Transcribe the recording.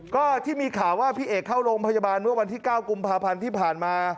ก็ที่มีข่าวว่าพี่เอกเข้าโรงพยาบาลเมื่อวันที่๙กุมภาพันธ์ที่ผ่านมา